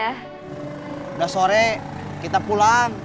udah sore kita pulang